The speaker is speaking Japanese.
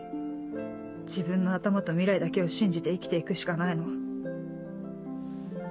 自分の頭と未来だけを信じて生きて行くしかないの。